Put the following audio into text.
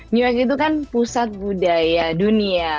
new york itu kan pusat budaya dunia